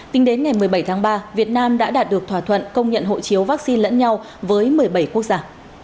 tính đến ngày một mươi bảy tháng ba việt nam đã đạt được thỏa thuận công nhận hộ chiếu vaccine lẫn nhau với một mươi bảy quốc gia